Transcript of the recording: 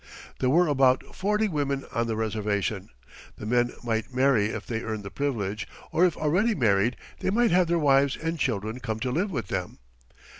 There were about forty women on the reservation. The men might marry if they earned the privilege, or if already married, they might have their wives and children come to live with them.